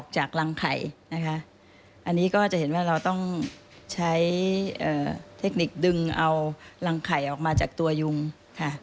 จากนั้นเราต้องใช้เทคนิคดึงเอารังไข่ออกมาจากตัวยุงค่ะ